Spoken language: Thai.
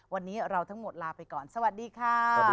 วันนี้เราทั้งหมดลาไปก่อนสวัสดีค่ะ